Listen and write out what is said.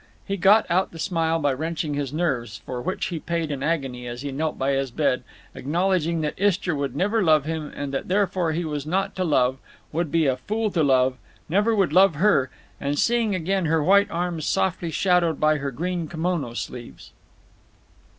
He got out the smile by wrenching his nerves, for which he paid in agony as he knelt by his bed, acknowledging that Istra would never love him and that therefore he was not to love, would be a fool to love, never would love her—and seeing again her white arms softly shadowed by her green kimono sleeves.